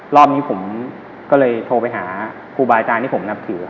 รอบนี้ผมก็เลยโทรไปหาครูบาอาจารย์ที่ผมนับถือ